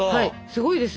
すごいです。